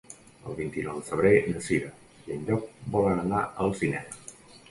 El vint-i-nou de febrer na Cira i en Llop volen anar al cinema.